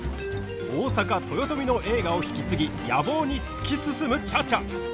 大坂豊臣の栄華を引き継ぎ野望に突き進む茶々。